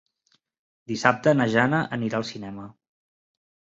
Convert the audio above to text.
Dissabte na Jana anirà al cinema.